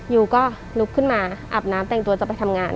ยูก็ลุกขึ้นมาอาบน้ำแต่งตัวจะไปทำงาน